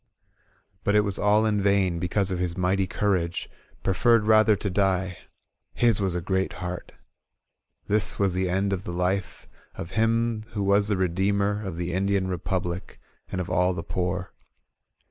But it was aU in vain Because his mighty courage Preferred rather to die His was a great heartl 98 LA TROPA ON THE MARCH "Tfcw was the end of the life Of him who was the redeemer Of the Indian Republic And of aU the poor.